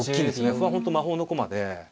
歩は本当魔法の駒で。